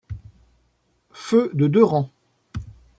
Feu de deux rangs !